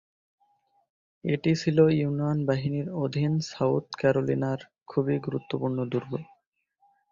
এটি ছিল ইউনিয়ন বাহিনীর অধীন সাউথ ক্যারোলিনার খুব-ই গুরুত্বপূর্ণ দুর্গ।